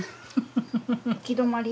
行き止まり？